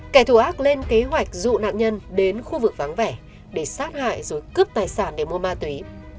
kẻ thù ác lên kế hoạch dụ nạn nhân đến khu vực vắng vẻ để sát hại rồi cướp tài sản để mua ma túy